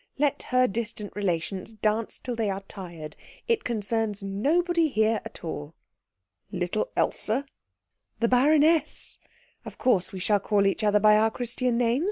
Let her distant relations dance till they are tired it concerns nobody here at all." "Little Else?" "The baroness. Of course we shall call each other by our Christian names.